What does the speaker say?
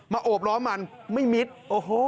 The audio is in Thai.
มาโอบร้อมันไม่มิตร